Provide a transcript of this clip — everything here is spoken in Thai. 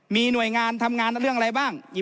มีหน่วยงานทำงานเรื่องอะไรบ้าง